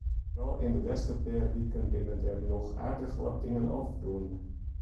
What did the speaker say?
Foaral yn de lêste pear wiken binne der noch aardich wat dingen ôfrûne.